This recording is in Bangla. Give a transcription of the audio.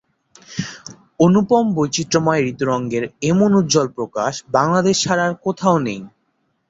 অনুপম বৈচিত্র্যময় ঋতুরঙ্গের এমন উজ্জ্বল প্রকাশ বাংলাদেশ ছাড়া আর কোথাও নেই।